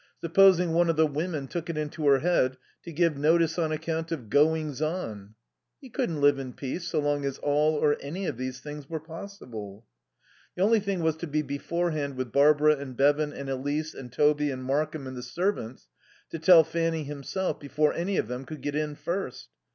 Supposing one of the women took it into her head to give notice on account of "goings on?" He couldn't live in peace so long as all or any of these things were possible. The only thing was to be beforehand with Barbara and Bevan and Elise and Toby and Markham and the servants; to tell Fanny himself before any of them could get in first.